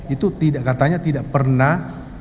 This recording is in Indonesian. itu katanya tidak pernah